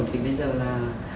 thì bây giờ là